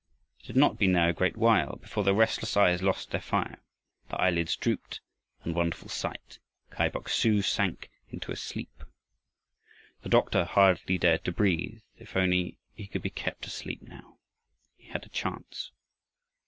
It had not been there a great while before the restless eyes lost their fire, the eyelids drooped and, wonderful sight, Kai Bok su sank into a sleep! The doctor hardly dared to breathe If he could only be kept asleep now, he had a chance.